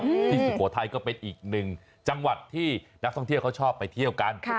ที่สุโขทัยก็เป็นอีกหนึ่งจังหวัดที่นักท่องเที่ยวเขาชอบไปเที่ยวกันค่ะ